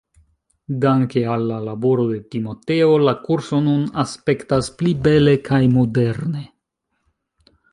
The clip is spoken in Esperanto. Danke al la laboro de Timoteo, la kurso nun aspektas pli bele kaj moderne.